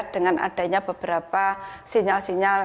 dengan adanya beberapa sinyal sinyal